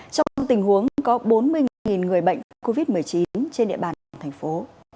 trong tình huống có bốn mươi người bệnh covid một mươi chín trên địa bàn toàn thành phố